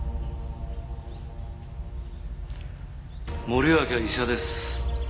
森脇は医者です。